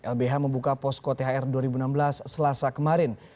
lbh membuka posko thr dua ribu enam belas selasa kemarin